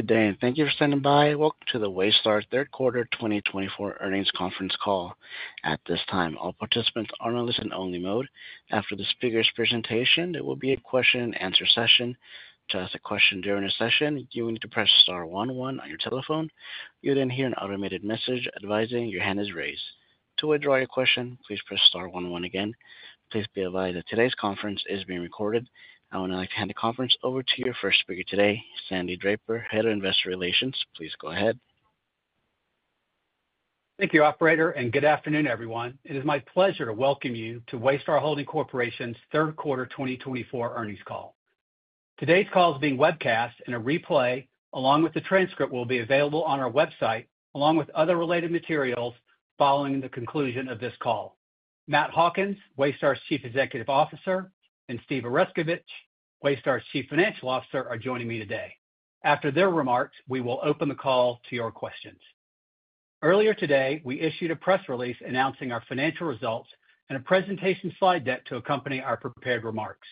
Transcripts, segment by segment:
Good day and thank you for standing by. Welcome to the Waystar Third Quarter 2024 Earnings Conference Call. At this time, all participants are in a listen-only mode. After the speaker's presentation, there will be a question-and-answer session. To ask a question during the session, you will need to press star one one on your telephone. You'll then hear an automated message advising your hand is raised. To withdraw your question, please press star one one again. Please be advised that today's conference is being recorded. I would now like to hand the conference over to your first speaker today, Sandy Draper, Head of Investor Relations. Please go ahead. Thank you, Operator, and good afternoon, everyone. It is my pleasure to welcome you to Waystar Holding Corporation's Third Quarter 2024 Earnings Call. Today's call is being webcast, and a replay along with the transcript will be available on our website, along with other related materials following the conclusion of this call. Matt Hawkins, Waystar's Chief Executive Officer, and Steve Oreskovich, Waystar's Chief Financial Officer, are joining me today. After their remarks, we will open the call to your questions. Earlier today, we issued a press release announcing our financial results and a presentation slide deck to accompany our prepared remarks.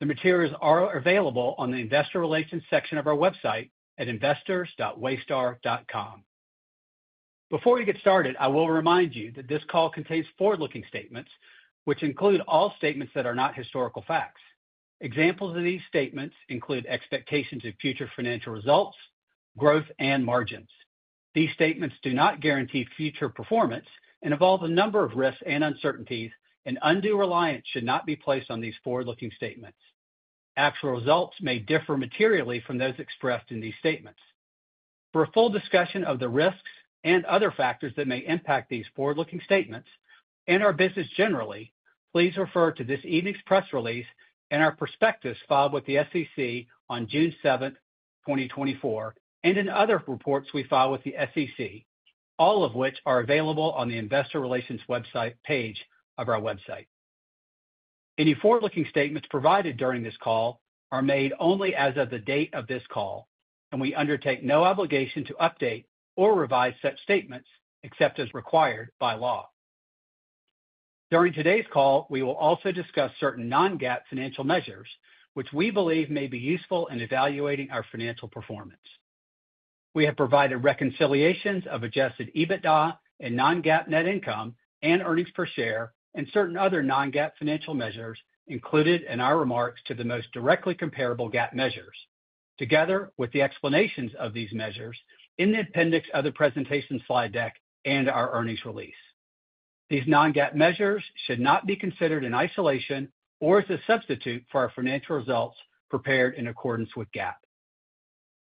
The materials are available on the Investor Relations section of our website at investors.waystar.com. Before we get started, I will remind you that this call contains forward-looking statements, which include all statements that are not historical facts. Examples of these statements include expectations of future financial results, growth, and margins. These statements do not guarantee future performance and involve a number of risks and uncertainties, and undue reliance should not be placed on these forward-looking statements. Actual results may differ materially from those expressed in these statements. For a full discussion of the risks and other factors that may impact these forward-looking statements and our business generally, please refer to this evening's press release and our prospectus filed with the SEC on June 7th, 2024, and in other reports we file with the SEC, all of which are available on the Investor Relations website page of our website. Any forward-looking statements provided during this call are made only as of the date of this call, and we undertake no obligation to update or revise such statements except as required by law. During today's call, we will also discuss certain non-GAAP financial measures, which we believe may be useful in evaluating our financial performance. We have provided reconciliations of adjusted EBITDA and non-GAAP net income and earnings per share and certain other non-GAAP financial measures included in our remarks to the most directly comparable GAAP measures, together with the explanations of these measures in the appendix of the presentation slide deck and our earnings release. These non-GAAP measures should not be considered in isolation or as a substitute for our financial results prepared in accordance with GAAP.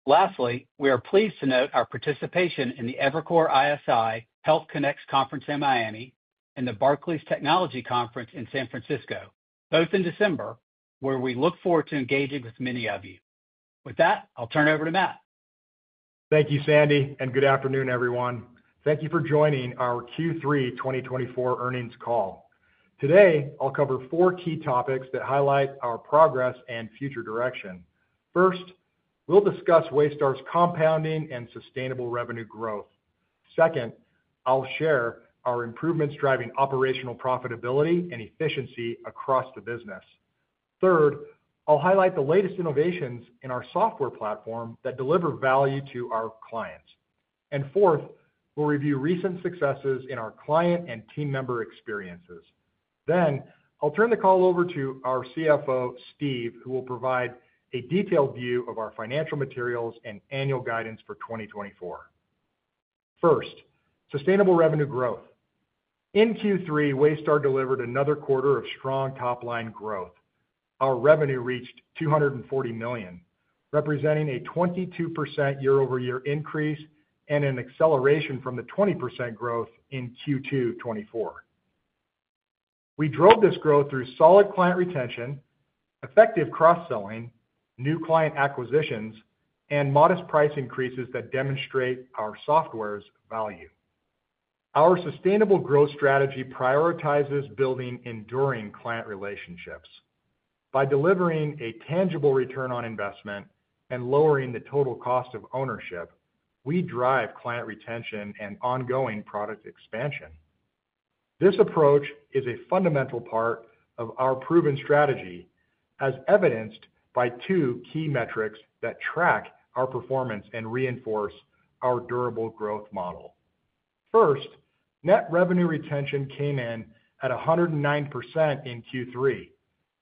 Lastly, we are pleased to note our participation in the Evercore ISI Health Connects Conference in Miami and the Barclays Technology Conference in San Francisco, both in December, where we look forward to engaging with many of you. With that, I'll turn it over to Matt. Thank you, Sandy, and good afternoon, everyone. Thank you for joining our Q3 2024 earnings call. Today, I'll cover four key topics that highlight our progress and future direction. First, we'll discuss Waystar's compounding and sustainable revenue growth. Second, I'll share our improvements driving operational profitability and efficiency across the business. Third, I'll highlight the latest innovations in our software platform that deliver value to our clients. And fourth, we'll review recent successes in our client and team member experiences. Then, I'll turn the call over to our CFO, Steve, who will provide a detailed view of our financial materials and annual guidance for 2024. First, sustainable revenue growth. In Q3, Waystar delivered another quarter of strong top-line growth. Our revenue reached $240 million, representing a 22% year-over-year increase and an acceleration from the 20% growth in Q2 2024. We drove this growth through solid client retention, effective cross-selling, new client acquisitions, and modest price increases that demonstrate our software's value. Our sustainable growth strategy prioritizes building enduring client relationships. By delivering a tangible return on investment and lowering the total cost of ownership, we drive client retention and ongoing product expansion. This approach is a fundamental part of our proven strategy, as evidenced by two key metrics that track our performance and reinforce our durable growth model. First, net revenue retention came in at 109% in Q3.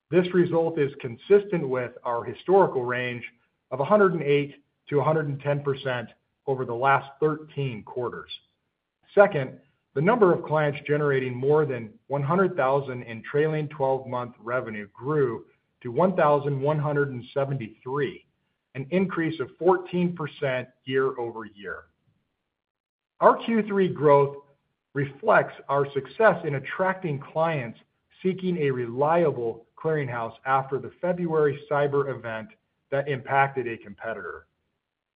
This result is consistent with our historical range of 108%-110% over the last 13 quarters. Second, the number of clients generating more than $100,000 in trailing 12-month revenue grew to 1,173, an increase of 14% year-over-year. Our Q3 growth reflects our success in attracting clients seeking a reliable clearinghouse after the February cyber event that impacted a competitor.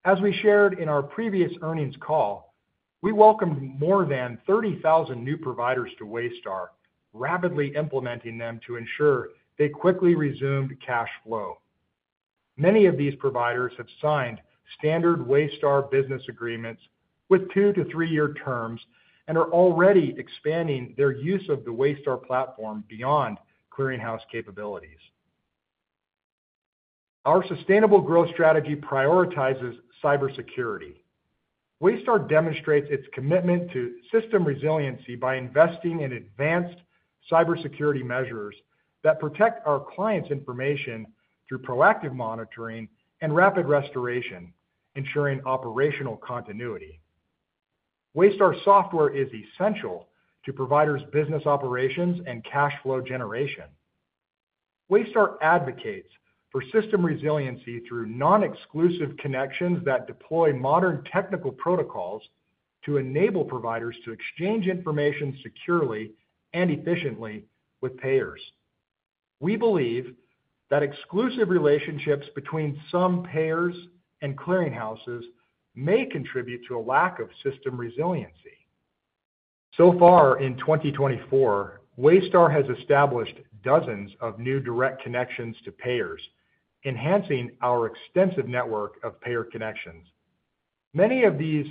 As we shared in our previous earnings call, we welcomed more than 30,000 new providers to Waystar, rapidly implementing them to ensure they quickly resumed cash flow. Many of these providers have signed standard Waystar business agreements with two- to three-year terms and are already expanding their use of the Waystar platform beyond clearinghouse capabilities. Our sustainable growth strategy prioritizes cybersecurity. Waystar demonstrates its commitment to system resiliency by investing in advanced cybersecurity measures that protect our clients' information through proactive monitoring and rapid restoration, ensuring operational continuity. Waystar software is essential to providers' business operations and cash flow generation. Waystar advocates for system resiliency through non-exclusive connections that deploy modern technical protocols to enable providers to exchange information securely and efficiently with payers. We believe that exclusive relationships between some payers and clearinghouses may contribute to a lack of system resiliency. So far in 2024, Waystar has established dozens of new direct connections to payers, enhancing our extensive network of payer connections. Many of these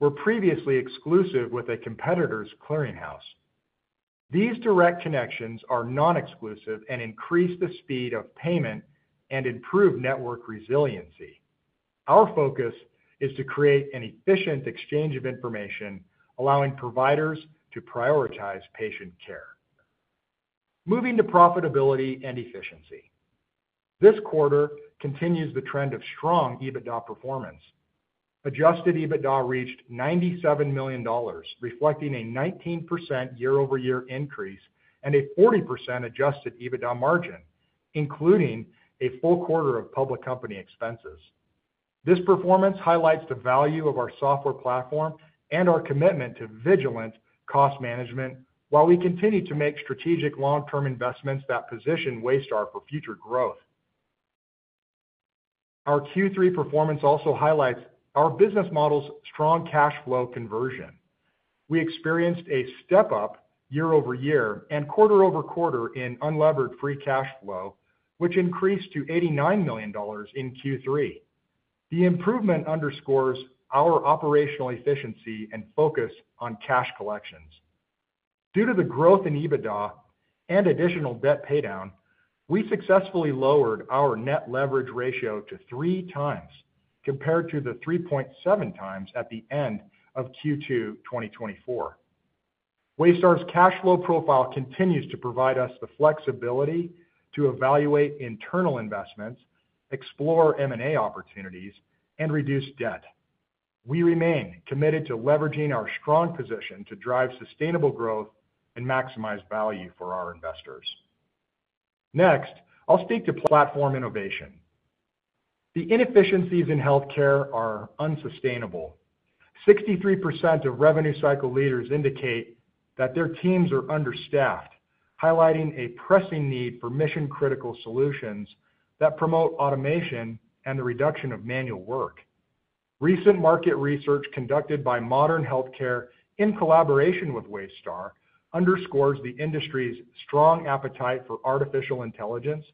were previously exclusive with a competitor's clearinghouse. These direct connections are non-exclusive and increase the speed of payment and improve network resiliency. Our focus is to create an efficient exchange of information, allowing providers to prioritize patient care. Moving to profitability and efficiency. This quarter continues the trend of strong EBITDA performance. Adjusted EBITDA reached $97 million, reflecting a 19% year-over-year increase and a 40% adjusted EBITDA margin, including a full quarter of public company expenses. This performance highlights the value of our software platform and our commitment to vigilant cost management while we continue to make strategic long-term investments that position Waystar for future growth. Our Q3 performance also highlights our business model's strong cash flow conversion. We experienced a step-up year-over-year and quarter-over-quarter in unlevered free cash flow, which increased to $89 million in Q3. The improvement underscores our operational efficiency and focus on cash collections. Due to the growth in EBITDA and additional debt paydown, we successfully lowered our net leverage ratio to three times compared to the 3.7x at the end of Q2 2024. Waystar's cash flow profile continues to provide us the flexibility to evaluate internal investments, explore M&A opportunities, and reduce debt. We remain committed to leveraging our strong position to drive sustainable growth and maximize value for our investors. Next, I'll speak to platform innovation. The inefficiencies in healthcare are unsustainable. 63% of revenue cycle leaders indicate that their teams are understaffed, highlighting a pressing need for mission-critical solutions that promote automation and the reduction of manual work. Recent market research conducted by Modern Healthcare in collaboration with Waystar underscores the industry's strong appetite for artificial intelligence,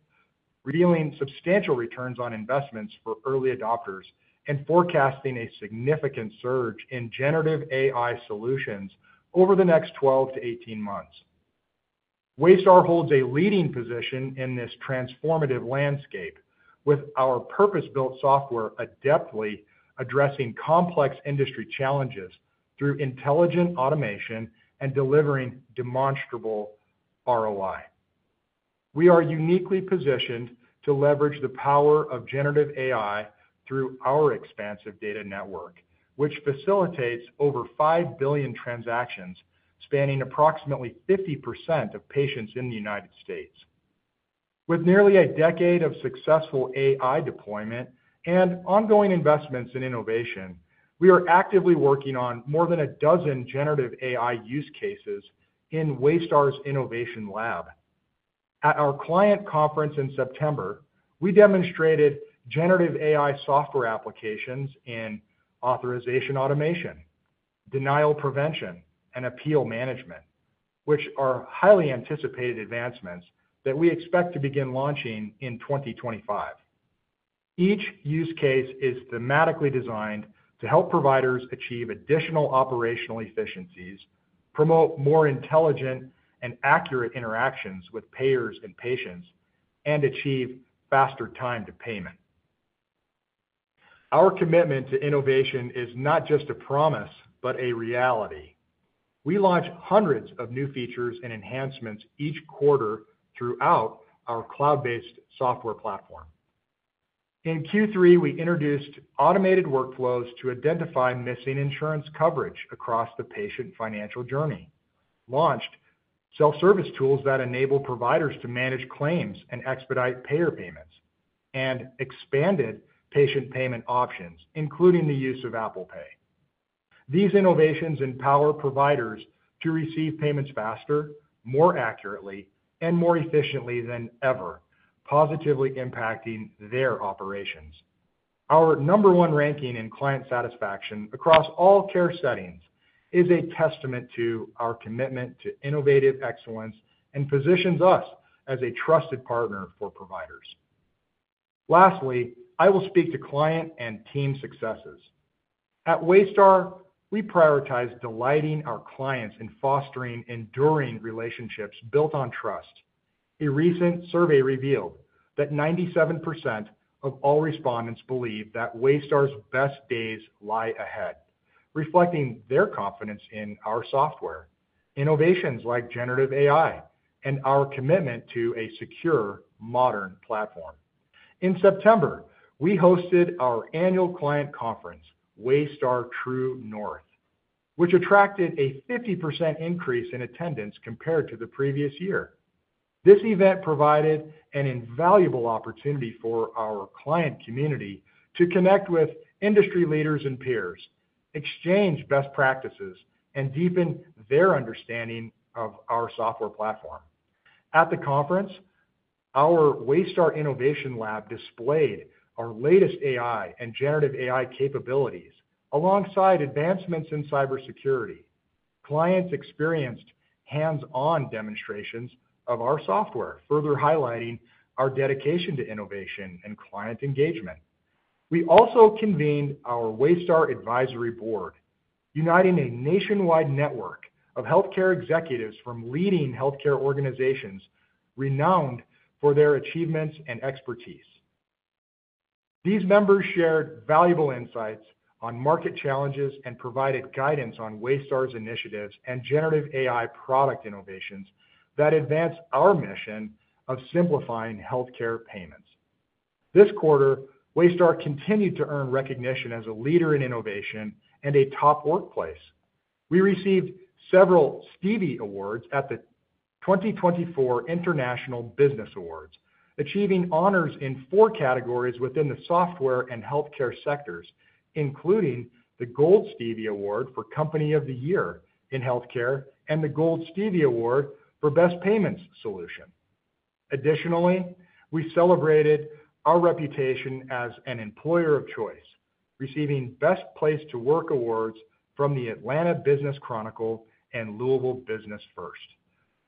revealing substantial returns on investments for early adopters and forecasting a significant surge in generative AI solutions over the next 12-18 months. Waystar holds a leading position in this transformative landscape, with our purpose-built software adeptly addressing complex industry challenges through intelligent automation and delivering demonstrable ROI. We are uniquely positioned to leverage the power of generative AI through our expansive data network, which facilitates over five billion transactions, spanning approximately 50% of patients in the United States. With nearly a decade of successful AI deployment and ongoing investments in innovation, we are actively working on more than a dozen generative AI use cases in Waystar Innovation Lab. At our client conference in September, we demonstrated generative AI software applications in authorization automation, denial prevention, and appeal management, which are highly anticipated advancements that we expect to begin launching in 2025. Each use case is thematically designed to help providers achieve additional operational efficiencies, promote more intelligent and accurate interactions with payers and patients, and achieve faster time to payment. Our commitment to innovation is not just a promise, but a reality. We launch hundreds of new features and enhancements each quarter throughout our cloud-based software platform. In Q3, we introduced automated workflows to identify missing insurance coverage across the patient financial journey, launched self-service tools that enable providers to manage claims and expedite payer payments, and expanded patient payment options, including the use of Apple Pay. These innovations empower providers to receive payments faster, more accurately, and more efficiently than ever, positively impacting their operations. Our number one ranking in client satisfaction across all care settings is a testament to our commitment to innovative excellence and positions us as a trusted partner for providers. Lastly, I will speak to client and team successes. At Waystar, we prioritize delighting our clients in fostering enduring relationships built on trust. A recent survey revealed that 97% of all respondents believe that Waystar's best days lie ahead, reflecting their confidence in our software, innovations like generative AI, and our commitment to a secure, modern platform. In September, we hosted our annual client conference, Waystar True North, which attracted a 50% increase in attendance compared to the previous year. This event provided an invaluable opportunity for our client community to connect with industry leaders and peers, exchange best practices, and deepen their understanding of our software platform. At the conference, our Waystar Innovation Lab displayed our latest AI and generative AI capabilities alongside advancements in cybersecurity. Clients experienced hands-on demonstrations of our software, further highlighting our dedication to innovation and client engagement. We also convened our Waystar Advisory Board, uniting a nationwide network of healthcare executives from leading healthcare organizations renowned for their achievements and expertise. These members shared valuable insights on market challenges and provided guidance on Waystar's initiatives and generative AI product innovations that advance our mission of simplifying healthcare payments. This quarter, Waystar continued to earn recognition as a leader in innovation and a top workplace. We received several Stevie Awards at the 2024 International Business Awards, achieving honors in four categories within the software and healthcare sectors, including the Gold Stevie Award for Company of the Year in Healthcare and the Gold Stevie Award for Best Payments Solution. Additionally, we celebrated our reputation as an employer of choice, receiving Best Place to Work awards from the Atlanta Business Chronicle and Louisville Business First.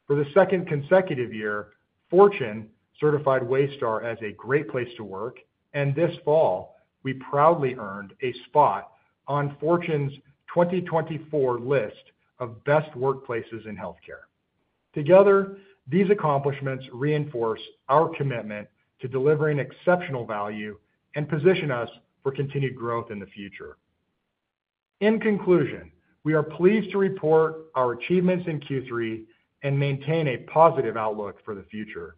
For the second consecutive year, Fortune certified Waystar as a Great Place to Work, and this fall, we proudly earned a spot on Fortune's 2024 list of Best Workplaces in Healthcare. Together, these accomplishments reinforce our commitment to delivering exceptional value and position us for continued growth in the future. In conclusion, we are pleased to report our achievements in Q3 and maintain a positive outlook for the future.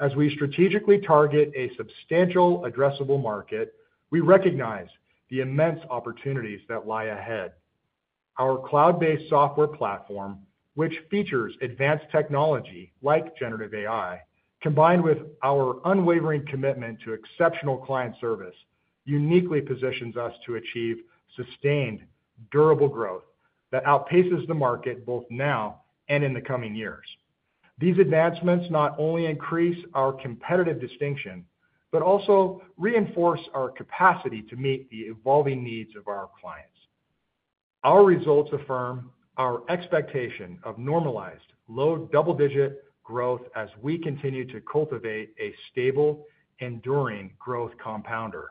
As we strategically target a substantial addressable market, we recognize the immense opportunities that lie ahead. Our cloud-based software platform, which features advanced technology like generative AI, combined with our unwavering commitment to exceptional client service, uniquely positions us to achieve sustained, durable growth that outpaces the market both now and in the coming years. These advancements not only increase our competitive distinction, but also reinforce our capacity to meet the evolving needs of our clients. Our results affirm our expectation of normalized low double-digit growth as we continue to cultivate a stable, enduring growth compounder.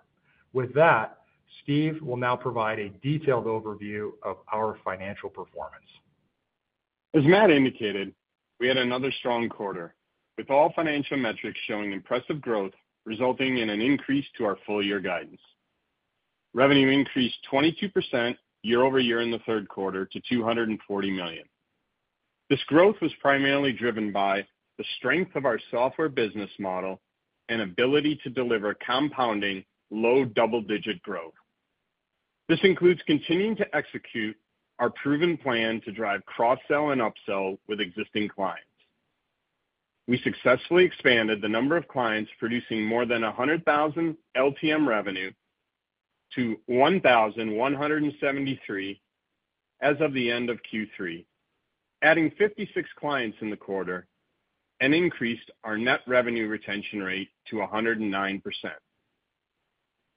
With that, Steve will now provide a detailed overview of our financial performance. As Matt indicated, we had another strong quarter, with all financial metrics showing impressive growth, resulting in an increase to our full-year guidance. Revenue increased 22% year-over-year in the third quarter to $240 million. This growth was primarily driven by the strength of our software business model and ability to deliver compounding low double-digit growth. This includes continuing to execute our proven plan to drive cross-sell and upsell with existing clients. We successfully expanded the number of clients producing more than 100,000 LTM revenue to 1,173 as of the end of Q3, adding 56 clients in the quarter and increased our net revenue retention rate to 109%.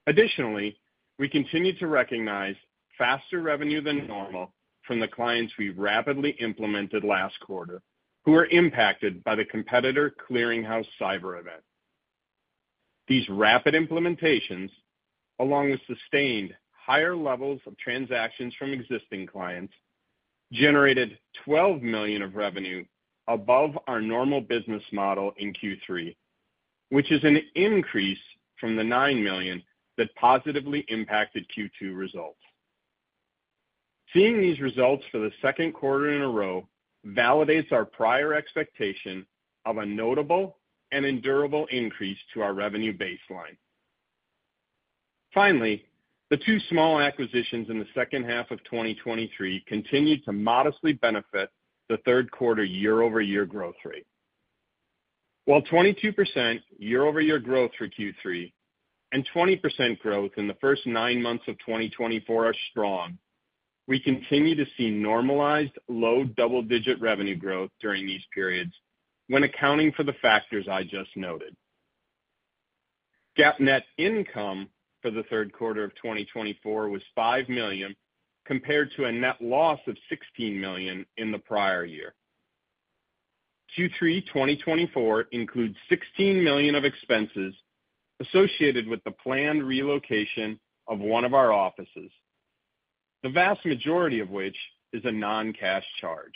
Additionally, we continue to recognize faster revenue than normal from the clients we rapidly implemented last quarter, who were impacted by the competitor clearinghouse cyber event. These rapid implementations, along with sustained higher levels of transactions from existing clients, generated $12 million of revenue above our normal business model in Q3, which is an increase from the $9 million that positively impacted Q2 results. Seeing these results for the second quarter in a row validates our prior expectation of a notable and endurable increase to our revenue baseline. Finally, the two small acquisitions in the second half of 2023 continued to modestly benefit the third quarter year-over-year growth rate. While 22% year-over-year growth for Q3 and 20% growth in the first nine months of 2024 are strong, we continue to see normalized low double-digit revenue growth during these periods when accounting for the factors I just noted. GAAP net income for the third quarter of 2024 was $5 million compared to a net loss of $16 million in the prior year. Q3 2024 includes $16 million of expenses associated with the planned relocation of one of our offices, the vast majority of which is a non-cash charge.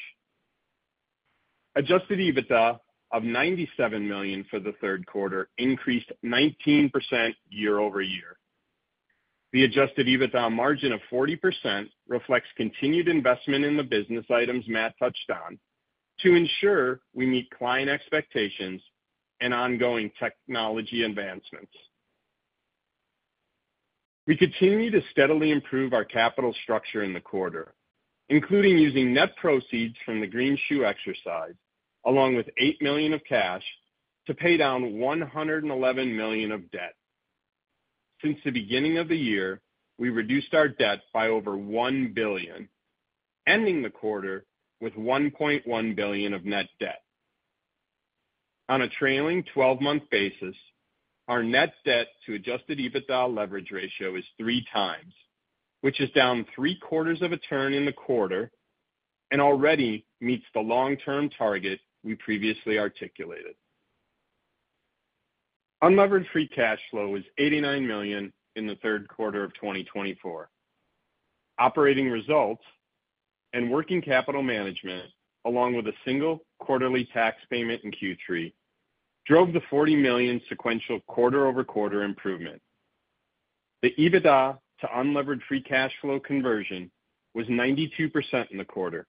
Adjusted EBITDA of $97 million for the third quarter increased 19% year-over-year. The adjusted EBITDA margin of 40% reflects continued investment in the business items Matt touched on to ensure we meet client expectations and ongoing technology advancements. We continue to steadily improve our capital structure in the quarter, including using net proceeds from the greenshoe exercise, along with $8 million of cash to pay down $111 million of debt. Since the beginning of the year, we reduced our debt by over $1 billion, ending the quarter with $1.1 billion of net debt. On a trailing 12-month basis, our net debt to adjusted EBITDA leverage ratio is three times, which is down three quarters of a turn in the quarter and already meets the long-term target we previously articulated. Unlevered free cash flow was $89 million in the third quarter of 2024. Operating results and working capital management, along with a single quarterly tax payment in Q3, drove the $40 million sequential quarter-over-quarter improvement. The EBITDA to unlevered free cash flow conversion was 92% in the quarter,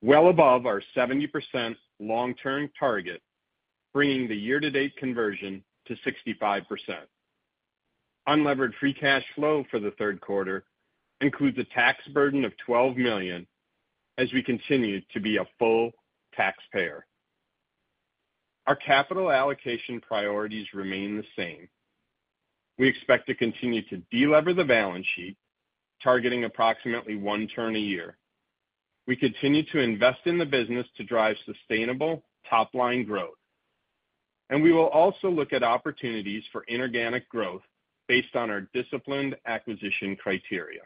well above our 70% long-term target, bringing the year-to-date conversion to 65%. Unlevered free cash flow for the third quarter includes a tax burden of $12 million as we continue to be a full taxpayer. Our capital allocation priorities remain the same. We expect to continue to delever the balance sheet, targeting approximately one turn a year. We continue to invest in the business to drive sustainable top-line growth, and we will also look at opportunities for inorganic growth based on our disciplined acquisition criteria.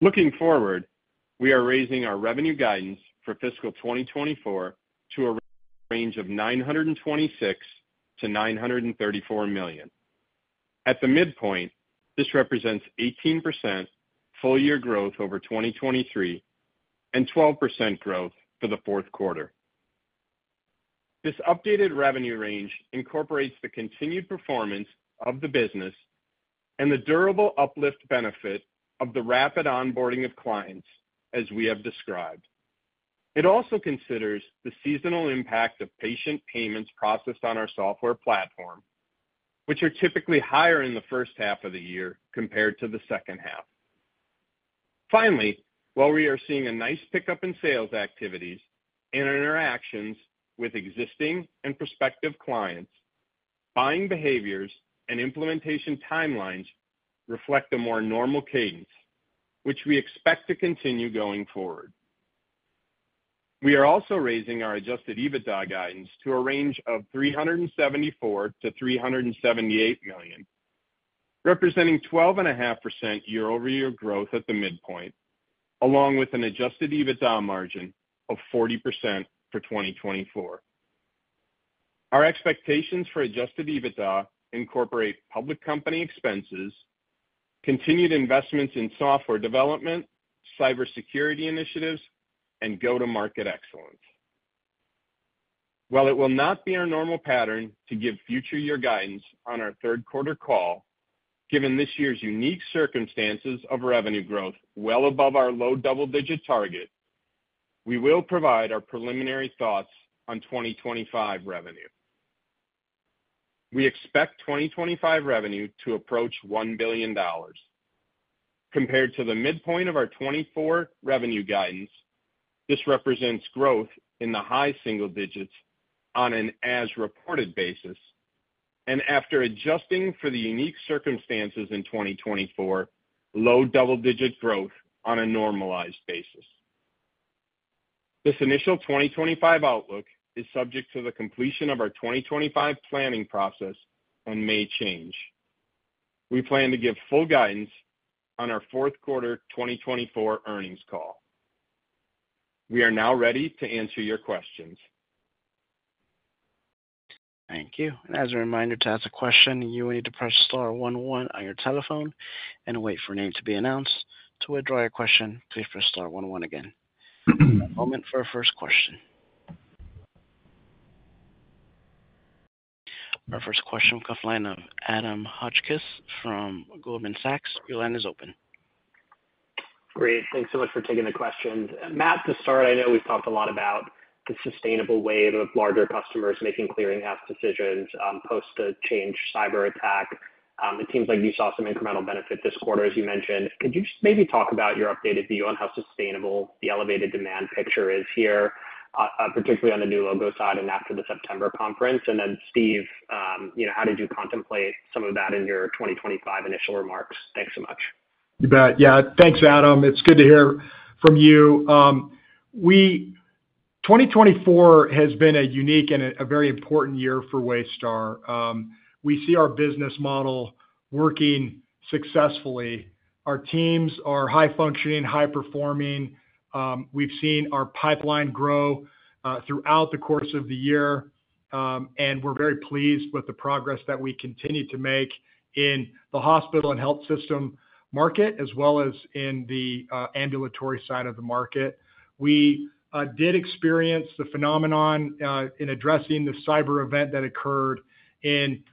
Looking forward, we are raising our revenue guidance for fiscal 2024 to a range of $926 million-$934 million. At the midpoint, this represents 18% full-year growth over 2023 and 12% growth for the fourth quarter. This updated revenue range incorporates the continued performance of the business and the durable uplift benefit of the rapid onboarding of clients, as we have described. It also considers the seasonal impact of patient payments processed on our software platform, which are typically higher in the first half of the year compared to the second half. Finally, while we are seeing a nice pickup in sales activities and interactions with existing and prospective clients, buying behaviors and implementation timelines reflect a more normal cadence, which we expect to continue going forward. We are also raising our adjusted EBITDA guidance to a range of $374 million-$378 million, representing 12.5% year-over-year growth at the midpoint, along with an adjusted EBITDA margin of 40% for 2024. Our expectations for adjusted EBITDA incorporate public company expenses, continued investments in software development, cybersecurity initiatives, and go-to-market excellence. While it will not be our normal pattern to give future-year guidance on our third quarter call, given this year's unique circumstances of revenue growth well above our low double-digit target, we will provide our preliminary thoughts on 2025 revenue. We expect 2025 revenue to approach $1 billion. Compared to the midpoint of our 2024 revenue guidance, this represents growth in the high single digits on an as-reported basis and after adjusting for the unique circumstances in 2024, low double-digit growth on a normalized basis. This initial 2025 outlook is subject to the completion of our 2025 planning process and may change. We plan to give full guidance on our fourth quarter 2024 earnings call. We are now ready to answer your questions. Thank you. And as a reminder to ask a question, you will need to press star one one on your telephone and wait for a name to be announced. To withdraw your question, please press star one one again. One moment for our first question. Our first question comes from the line of Adam Hotchkiss from Goldman Sachs. Your line is open. Great. Thanks so much for taking the question. Matt, to start, I know we've talked a lot about the sustainable wave of larger customers making clearinghouse decisions post the Change cyber attack. It seems like you saw some incremental benefit this quarter, as you mentioned. Could you just maybe talk about your updated view on how sustainable the elevated demand picture is here, particularly on the new logo side and after the September conference? And then, Steve, how did you contemplate some of that in your 2025 initial remarks? Thanks so much. You bet. Yeah. Thanks, Adam. It's good to hear from you. 2024 has been a unique and a very important year for Waystar. We see our business model working successfully. Our teams are high-functioning, high-performing. We've seen our pipeline grow throughout the course of the year, and we're very pleased with the progress that we continue to make in the hospital and health system market, as well as in the ambulatory side of the market. We did experience the phenomenon in addressing the cyber event that occurred in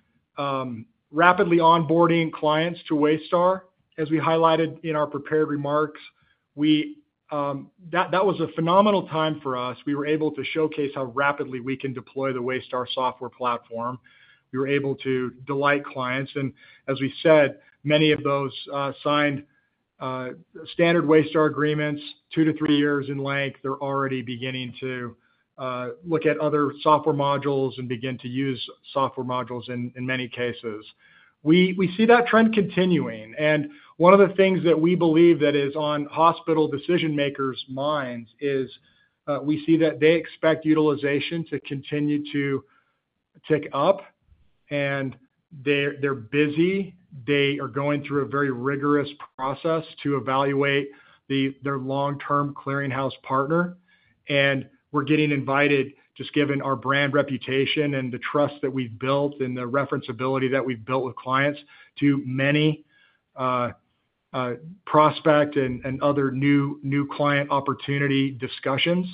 rapidly onboarding clients to Waystar. As we highlighted in our prepared remarks, that was a phenomenal time for us. We were able to showcase how rapidly we can deploy the Waystar software platform. We were able to delight clients. As we said, many of those signed standard Waystar agreements, two-to-three years in length, they're already beginning to look at other software modules and begin to use software modules in many cases. We see that trend continuing. One of the things that we believe that is on hospital decision-makers' minds is we see that they expect utilization to continue to tick up, and they're busy. They are going through a very rigorous process to evaluate their long-term clearinghouse partner. We're getting invited, just given our brand reputation and the trust that we've built and the referenceability that we've built with clients, to many prospect and other new client opportunity discussions.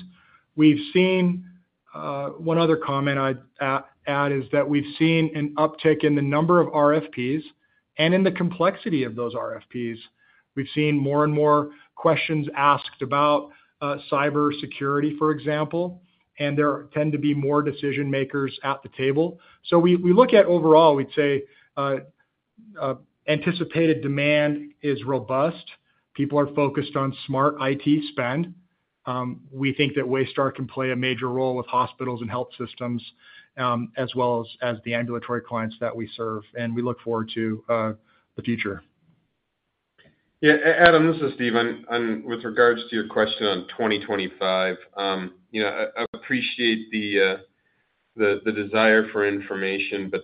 One other comment I'd add is that we've seen an uptick in the number of RFPs and in the complexity of those RFPs. We've seen more and more questions asked about cybersecurity, for example, and there tend to be more decision-makers at the table. So we look at overall. We'd say anticipated demand is robust. People are focused on smart IT spend. We think that Waystar can play a major role with hospitals and health systems as well as the ambulatory clients that we serve. And we look forward to the future. Yeah. Adam, this is Steven. With regards to your question on 2025, I appreciate the desire for information, but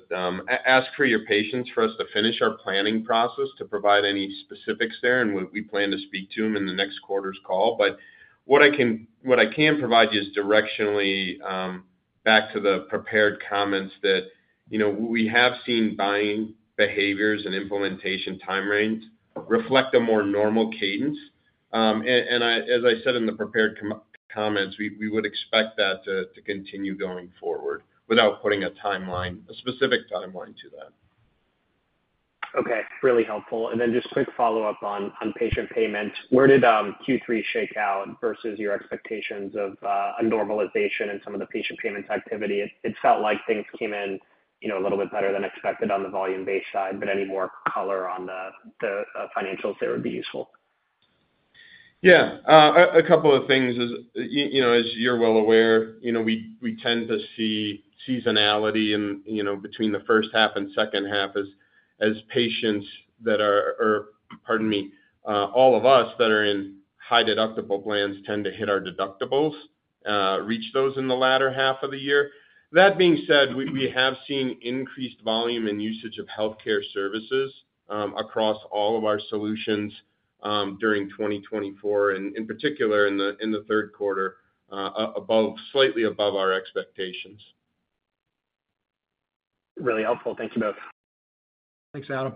ask for your patience for us to finish our planning process to provide any specifics there, and we plan to speak to them in the next quarter's call. But what I can provide you is directionally back to the prepared comments that we have seen buying behaviors and implementation time range reflect a more normal cadence. And as I said in the prepared comments, we would expect that to continue going forward without putting a specific timeline to that. Okay. Really helpful. And then just quick follow-up on patient payments. Where did Q3 shake out versus your expectations of a normalization in some of the patient payments activity? It felt like things came in a little bit better than expected on the volume-based side, but any more color on the financials that would be useful? Yeah. A couple of things. As you're well aware, we tend to see seasonality between the first half and second half as patients that are, pardon me, all of us that are in high deductible plans tend to hit our deductibles, reach those in the latter half of the year. That being said, we have seen increased volume and usage of healthcare services across all of our solutions during 2024, and in particular in the third quarter, slightly above our expectations. Really helpful. Thank you both. Thanks, Adam.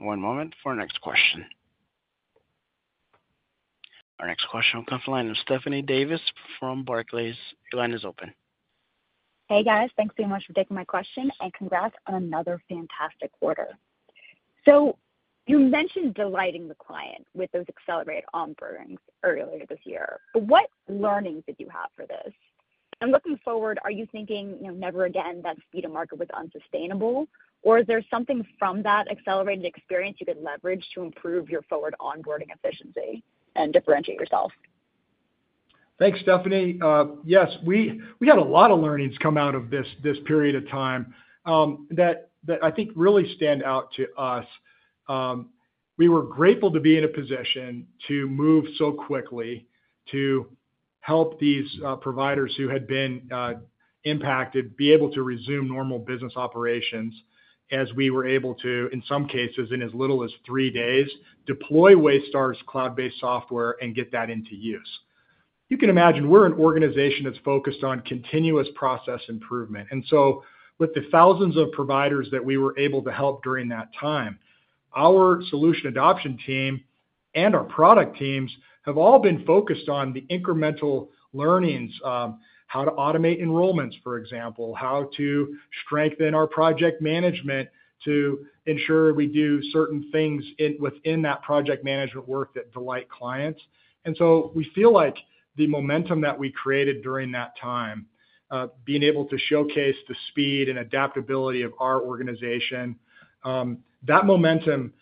One moment for our next question. Our next question will come from Stephanie Davis from Barclays. Your line is open. Hey, guys. Thanks so much for taking my question, and congrats on another fantastic quarter. So you mentioned delighting the client with those accelerated onboardings earlier this year. What learnings did you have for this? And looking forward, are you thinking never again that speed of market was unsustainable, or is there something from that accelerated experience you could leverage to improve your forward onboarding efficiency and differentiate yourself? Thanks, Stephanie. Yes, we had a lot of learnings come out of this period of time that I think really stand out to us. We were grateful to be in a position to move so quickly to help these providers who had been impacted be able to resume normal business operations as we were able to, in some cases, in as little as three days, deploy Waystar's cloud-based software and get that into use. You can imagine we're an organization that's focused on continuous process improvement, and so with the thousands of providers that we were able to help during that time, our solution adoption team and our product teams have all been focused on the incremental learnings, how to automate enrollments, for example, how to strengthen our project management to ensure we do certain things within that project management work that delight clients. And so we feel like the momentum that we created during that time, being able to showcase the speed and adaptability of our organization, that momentum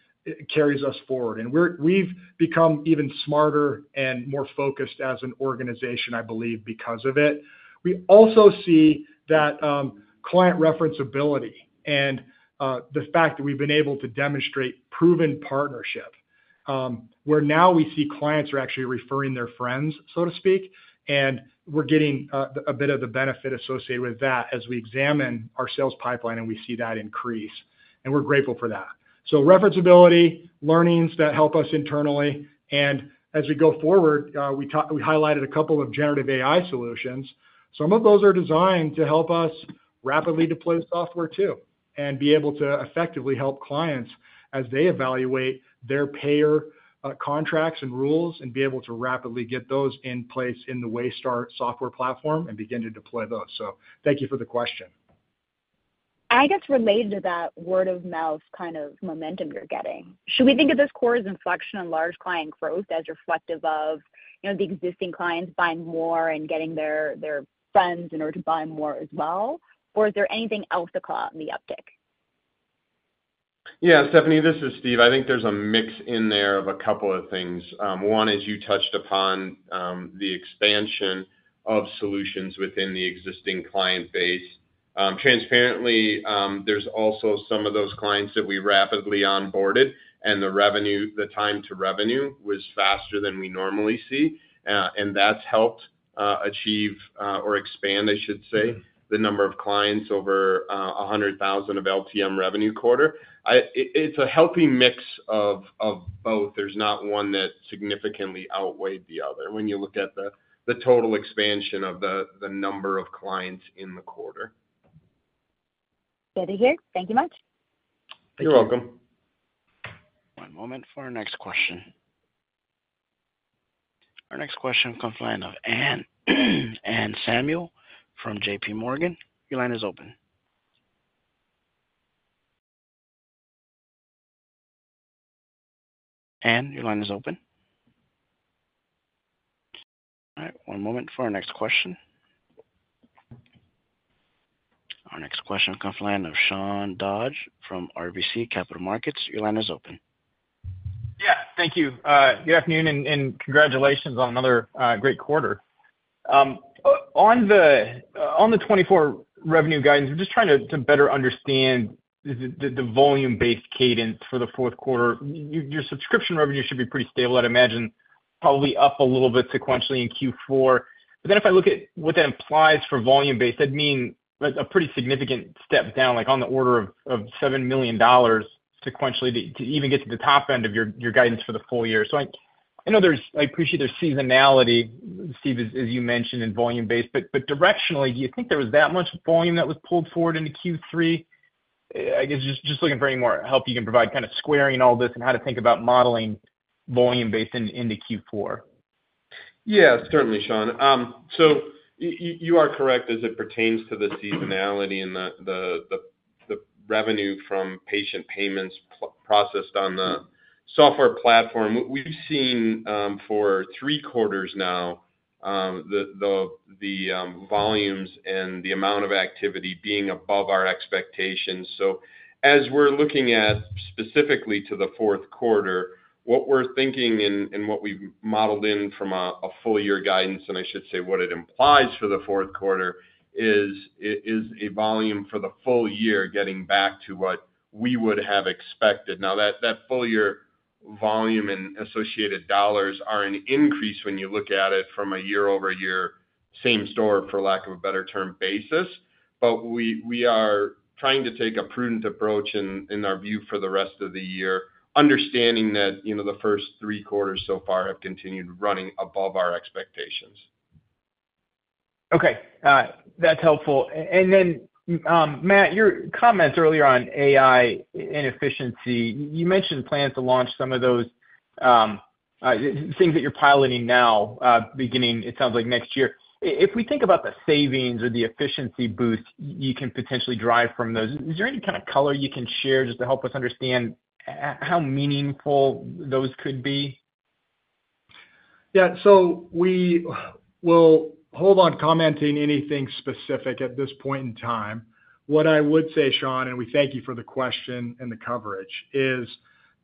carries us forward. And we've become even smarter and more focused as an organization, I believe, because of it. We also see that client referenceability and the fact that we've been able to demonstrate proven partnership, where now we see clients are actually referring their friends, so to speak, and we're getting a bit of the benefit associated with that as we examine our sales pipeline, and we see that increase. And we're grateful for that. So referenceability, learnings that help us internally. And as we go forward, we highlighted a couple of generative AI solutions. Some of those are designed to help us rapidly deploy the software too and be able to effectively help clients as they evaluate their payer contracts and rules and be able to rapidly get those in place in the Waystar software platform and begin to deploy those. So thank you for the question. I guess related to that word-of-mouth kind of momentum you're getting, should we think of this quarter as inflection on large client growth as reflective of the existing clients buying more and getting their friends in order to buy more as well? Or is there anything else to call out in the uptick? Yeah. Stephanie, this is Steve. I think there's a mix in there of a couple of things. One is you touched upon the expansion of solutions within the existing client base. Transparently, there's also some of those clients that we rapidly onboarded, and the time to revenue was faster than we normally see, and that's helped achieve or expand, I should say, the number of clients over 100,000 of LTM revenue quarter. It's a healthy mix of both. There's not one that significantly outweighed the other when you look at the total expansion of the number of clients in the quarter. Good to hear. Thank you much. You're welcome. One moment for our next question. Our next question comes from the line of Anne Samuel from JPMorgan. Your line is open. Ann, your line is open. All right. One moment for our next question. Our next question comes from the line of Sean Dodge from RBC Capital Markets. Your line is open. Yeah. Thank you. Good afternoon and congratulations on another great quarter. On the 2024 revenue guidance, we're just trying to better understand the volume-based cadence for the fourth quarter. Your subscription revenue should be pretty stable, I'd imagine, probably up a little bit sequentially in Q4. But then if I look at what that implies for volume-based, that'd mean a pretty significant step down, like on the order of $7 million sequentially to even get to the top end of your guidance for the full year. So I appreciate there's seasonality, Steve, as you mentioned, in volume-based. But directionally, do you think there was that much volume that was pulled forward into Q3? I guess just looking for any more help you can provide kind of squaring all this and how to think about modeling volume-based into Q4. Yeah, certainly, Sean. So you are correct as it pertains to the seasonality and the revenue from patient payments processed on the software platform. We've seen for three quarters now the volumes and the amount of activity being above our expectations. So as we're looking at specifically to the fourth quarter, what we're thinking and what we've modeled in from a full-year guidance, and I should say what it implies for the fourth quarter, is a volume for the full year getting back to what we would have expected. Now, that full-year volume and associated dollars are an increase when you look at it from a year-over-year, same-store, for lack of a better term, basis. But we are trying to take a prudent approach in our view for the rest of the year, understanding that the first three quarters so far have continued running above our expectations. Okay. That's helpful. Then, Matt, your comments earlier on AI inefficiency, you mentioned plans to launch some of those things that you're piloting now, beginning, it sounds like, next year. If we think about the savings or the efficiency boost you can potentially drive from those, is there any kind of color you can share just to help us understand how meaningful those could be? Yeah. So we will hold on commenting anything specific at this point in time. What I would say, Sean, and we thank you for the question and the coverage, is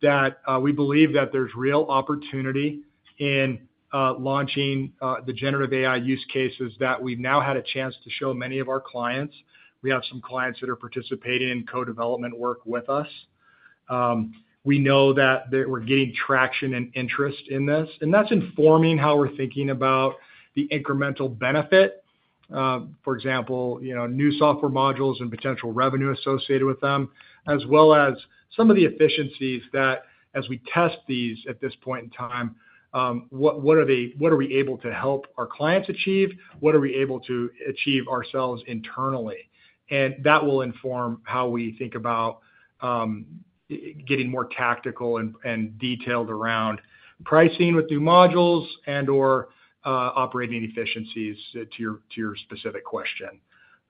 that we believe that there's real opportunity in launching the generative AI use cases that we've now had a chance to show many of our clients. We have some clients that are participating in co-development work with us. We know that we're getting traction and interest in this. And that's informing how we're thinking about the incremental benefit, for example, new software modules and potential revenue associated with them, as well as some of the efficiencies that, as we test these at this point in time, what are we able to help our clients achieve? What are we able to achieve ourselves internally? And that will inform how we think about getting more tactical and detailed around pricing with new modules and/or operating efficiencies to your specific question.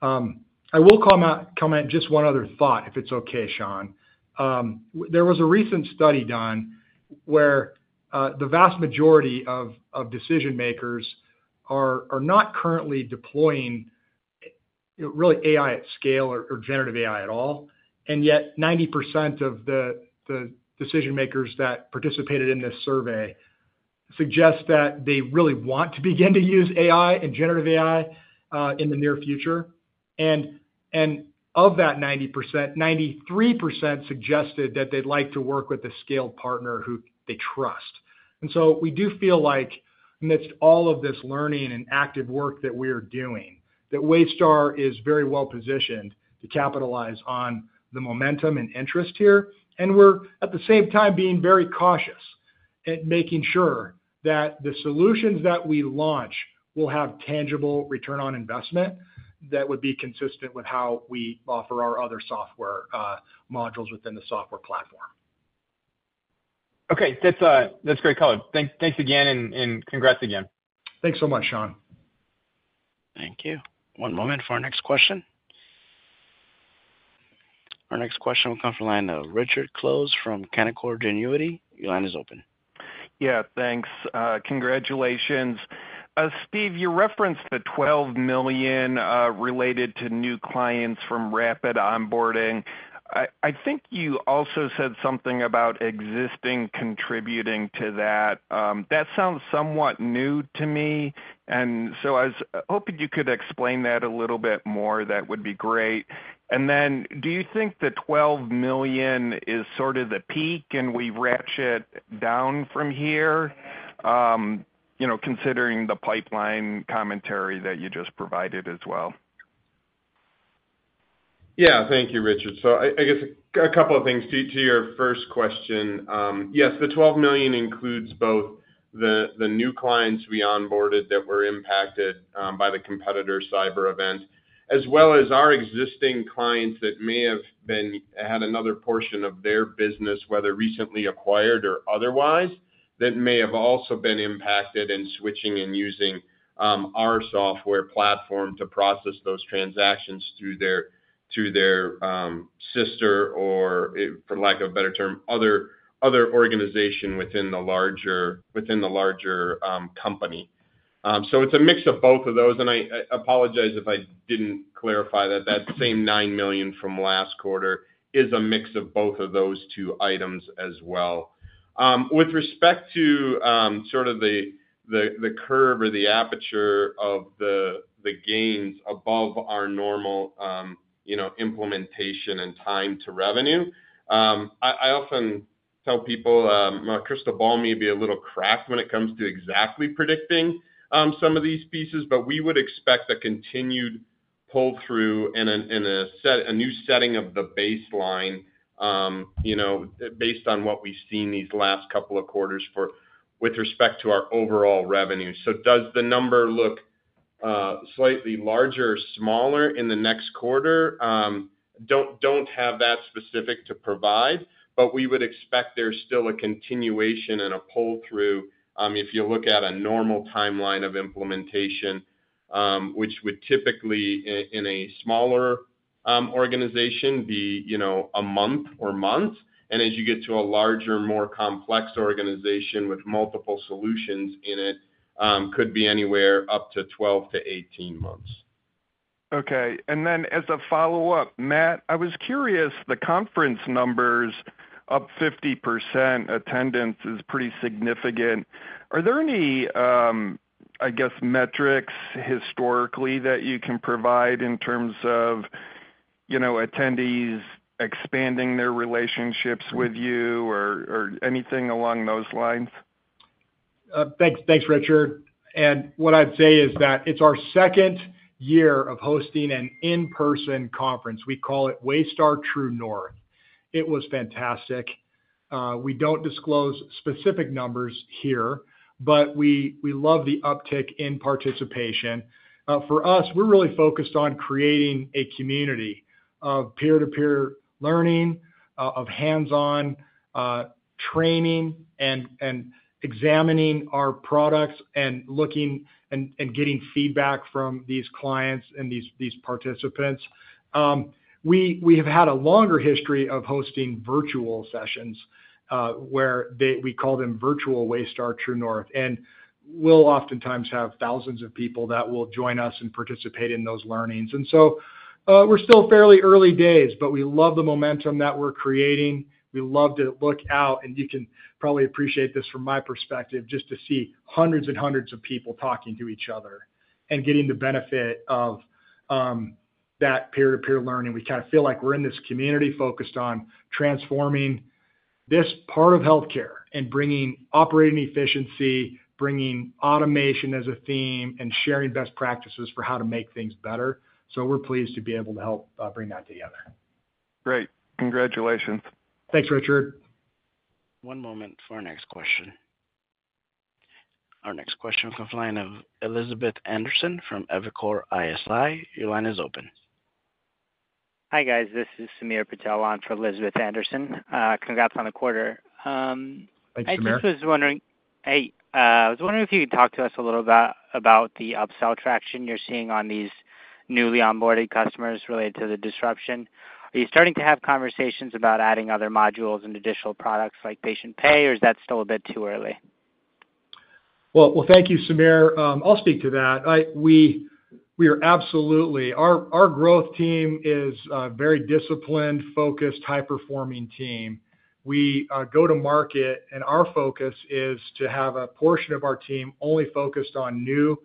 I will comment just one other thought, if it's okay, Sean. There was a recent study done where the vast majority of decision-makers are not currently deploying really AI at scale or generative AI at all. And yet, 90% of the decision-makers that participated in this survey suggest that they really want to begin to use AI and generative AI in the near future. Of that 93%, suggested that they'd like to work with a scaled partner who they trust. And so we do feel like, amidst all of this learning and active work that we are doing, that Waystar is very well positioned to capitalize on the momentum and interest here. And we're, at the same time, being very cautious in making sure that the solutions that we launch will have tangible return on investment that would be consistent with how we offer our other software modules within the software platform. Okay. That's great color. Thanks again, and congrats again. Thanks so much, Sean. Thank you. One moment for our next question. Our next question will come from the line of Richard Close from Canaccord Genuity. Your line is open. Yeah. Thanks. Congratulations. Steve, you referenced the $12 million related to new clients from rapid onboarding. I think you also said something about existing contributing to that. That sounds somewhat new to me. And so I was hoping you could explain that a little bit more. That would be great. And then, do you think the $12 million is sort of the peak and we ratchet down from here, considering the pipeline commentary that you just provided as well? Yeah. Thank you, Richard. So I guess a couple of things to your first question. Yes, the $12 million includes both the new clients we onboarded that were impacted by the competitor cyber event, as well as our existing clients that may have had another portion of their business, whether recently acquired or otherwise, that may have also been impacted in switching and using our software platform to process those transactions through their sister or, for lack of a better term, other organization within the larger company. It's a mix of both of those. And I apologize if I didn't clarify that that same $9 million from last quarter is a mix of both of those two items as well. With respect to sort of the curve or the aperture of the gains above our normal implementation and time to revenue, I often tell people, "Crystal ball may be a little cloudy when it comes to exactly predicting some of these pieces, but we would expect a continued pull-through and a new setting of the baseline based on what we've seen these last couple of quarters with respect to our overall revenue." Does the number look slightly larger or smaller in the next quarter? Don't have that specific to provide. But we would expect there's still a continuation and a pull-through if you look at a normal timeline of implementation, which would typically, in a smaller organization, be a month or months. And as you get to a larger, more complex organization with multiple solutions in it, could be anywhere up to 12-18 months. Okay. And then as a follow-up, Matt, I was curious, the conference numbers up 50%, attendance is pretty significant. Are there any, I guess, metrics historically that you can provide in terms of attendees expanding their relationships with you or anything along those lines? Thanks, Richard. And what I'd say is that it's our second year of hosting an in-person conference. We call it Waystar True North. It was fantastic. We don't disclose specific numbers here, but we love the uptick in participation. For us, we're really focused on creating a community of peer-to-peer learning, of hands-on training and examining our products and looking and getting feedback from these clients and these participants. We have had a longer history of hosting virtual sessions where we call them virtual Waystar True North, and we'll oftentimes have thousands of people that will join us and participate in those learnings, and so we're still fairly early days, but we love the momentum that we're creating. We love to look out, and you can probably appreciate this from my perspective, just to see hundreds and hundreds of people talking to each other and getting the benefit of that peer-to-peer learning. We kind of feel like we're in this community focused on transforming this part of healthcare and bringing operating efficiency, bringing automation as a theme, and sharing best practices for how to make things better. So we're pleased to be able to help bring that together. Great. Congratulations. Thanks, Richard. One moment for our next question. Our next question will come from the line of Elizabeth Anderson from Evercore ISI. Your line is open. Hi, guys. This is Sameer Patel on for Elizabeth Anderson. Congrats on the quarter. Thanks, Sameer. I just was wondering if you could talk to us a little about the upsell traction you're seeing on these newly onboarded customers related to the disruption. Are you starting to have conversations about adding other modules and additional products like patient pay, or is that still a bit too early? Well, thank you, Sameer. I'll speak to that. We are absolutely, our growth team is a very disciplined, focused, high-performing team. We go to market, and our focus is to have a portion of our team only focused on new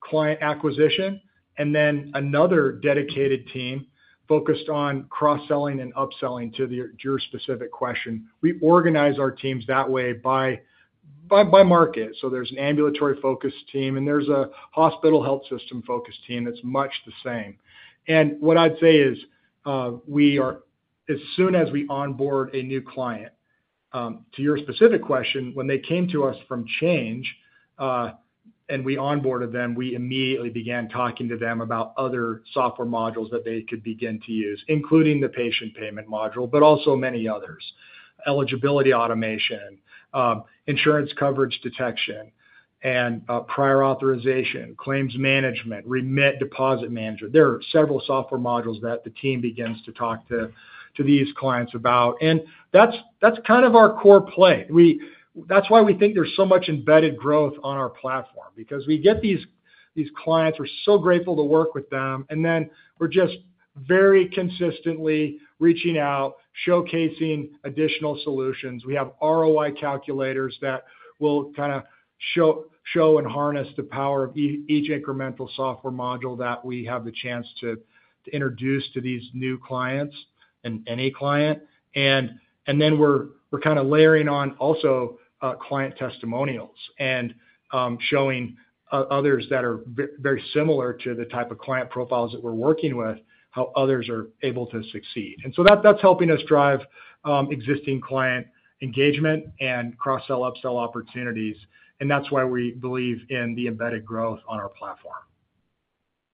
client acquisition and then another dedicated team focused on cross-selling and upselling to your specific question. We organize our teams that way by market. So there's an ambulatory-focused team, and there's a hospital health system-focused team that's much the same. And what I'd say is, as soon as we onboard a new client, to your specific question, when they came to us from Change and we onboarded them, we immediately began talking to them about other software modules that they could begin to use, including the patient payment module, but also many others: eligibility automation, insurance coverage detection, and prior authorization, claims management, remit deposit management. There are several software modules that the team begins to talk to these clients about. And that's kind of our core play. That's why we think there's so much embedded growth on our platform, because we get these clients, we're so grateful to work with them, and then we're just very consistently reaching out, showcasing additional solutions. We have ROI calculators that will kind of show and harness the power of each incremental software module that we have the chance to introduce to these new clients and any client, and then we're kind of layering on also client testimonials and showing others that are very similar to the type of client profiles that we're working with, how others are able to succeed, and so that's helping us drive existing client engagement and cross-sell/upsell opportunities, and that's why we believe in the embedded growth on our platform.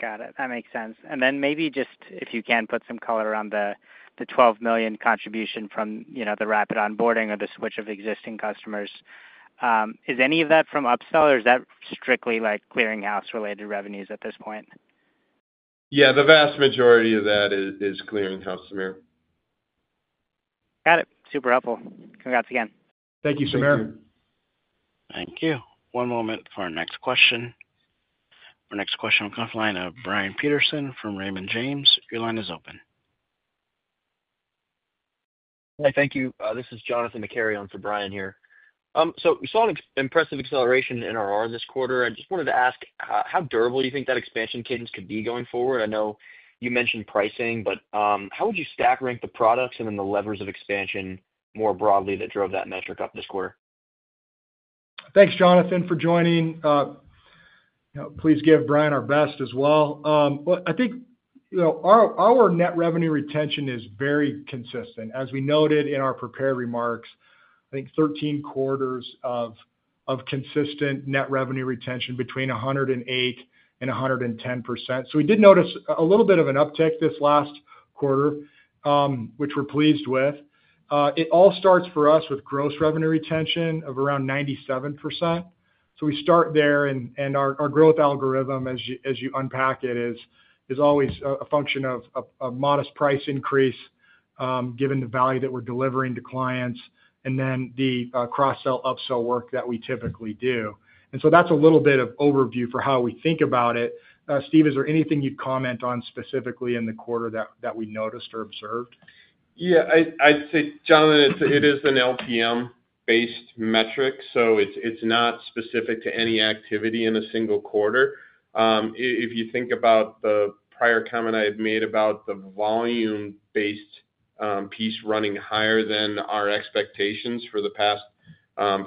Got it. That makes sense. And then maybe just, if you can, put some color around the 12 million contribution from the rapid onboarding or the switch of existing customers. Is any of that from upsell, or is that strictly clearinghouse-related revenues at this point? Yeah. The vast majority of that is clearinghouse, Sameer. Got it. Super helpful. Congrats again. Thank you, Sameer. Thank you. One moment for our next question. Our next question will come from the line of Brian Peterson from Raymond James. Your line is open. Hi. Thank you. This is Johnathan McCary on for Brian here. So we saw an impressive acceleration in ROR this quarter. I just wanted to ask, how durable do you think that expansion cadence could be going forward? I know you mentioned pricing, but how would you stack rank the products and then the levers of expansion more broadly that drove that metric up this quarter? Thanks, Johnathan, for joining. Please give Brian our best as well. I think our net revenue retention is very consistent. As we noted in our prepared remarks, I think 13 quarters of consistent net revenue retention between 108% and 110%. So we did notice a little bit of an uptick this last quarter, which we're pleased with. It all starts for us with gross revenue retention of around 97%. So we start there. And our growth algorithm, as you unpack it, is always a function of a modest price increase given the value that we're delivering to clients and then the cross-sell/upsell work that we typically do. And so that's a little bit of overview for how we think about it. Steve, is there anything you'd comment on specifically in the quarter that we noticed or observed? Yeah. I'd say, Johnathan, it is an LTM-based metric. So it's not specific to any activity in a single quarter. If you think about the prior comment I had made about the volume-based piece running higher than our expectations for the past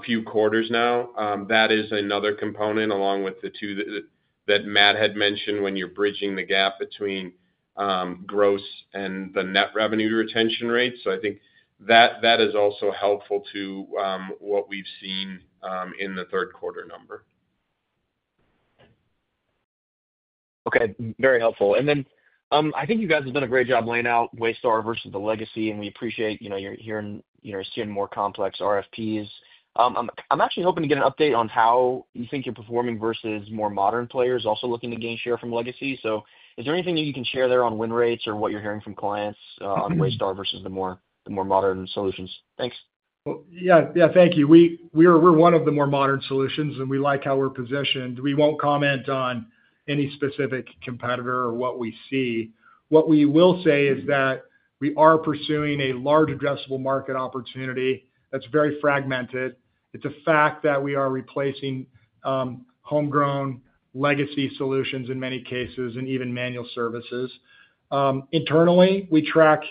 few quarters now, that is another component along with the two that Matt had mentioned when you're bridging the gap between gross and the net revenue retention rate. So I think that is also helpful to what we've seen in the third quarter number. Okay. Very helpful. And then I think you guys have done a great job laying out Waystar versus the legacy. And we appreciate you're hearing or seeing more complex RFPs. I'm actually hoping to get an update on how you think you're performing versus more modern players also looking to gain share from legacy. So is there anything that you can share there on win rates or what you're hearing from clients on Waystar versus the more modern solutions? Thanks. Yeah. Yeah. Thank you. We're one of the more modern solutions, and we like how we're positioned. We won't comment on any specific competitor or what we see. What we will say is that we are pursuing a large addressable market opportunity that's very fragmented. It's a fact that we are replacing homegrown legacy solutions in many cases and even manual services. Internally, we track